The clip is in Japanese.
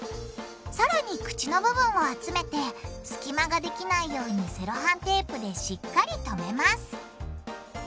さらに口の部分を集めて隙間ができないようにセロハンテープでしっかりとめます